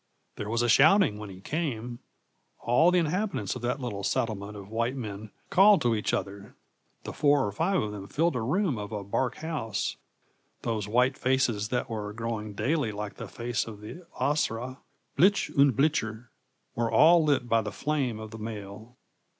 There was a shouting when he came. All the inhabitants of that little settlement of white men called to each other; the four or five of them filled a room of a bark house those white faces that were growing daily like the face of the Asra, 'bleich und bleicher,' were all lit by the flame of the mail.